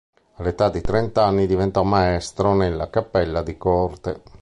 All'età di trent'anni diventò maestro nella Cappella di Corte.